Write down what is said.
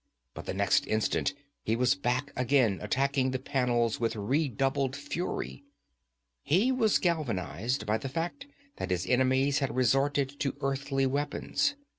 But the next instant he was back again, attacking the panels with redoubled fury. He was galvanized by the fact that his enemies had resorted to earthly weapons.